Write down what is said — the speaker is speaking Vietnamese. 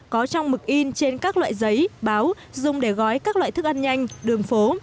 có trong mực in trên các loại giấy báo dùng để gói các loại thức ăn nhanh đường phố